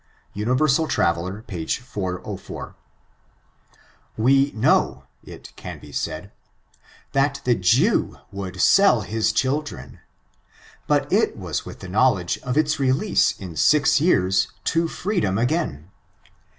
—" UniverscU Traveler ^^^page^ 404. We know, it can be said, that the Jew would aell his child, but it was with the knowledge of its r^ lease in six years to freedom again.